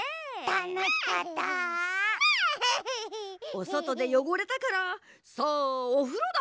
おそとでよごれたからさあおふろだ！